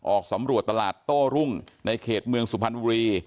ออกสำรวจตลาดโต้รุ่งในเขตเมืองสุพรรณบุรี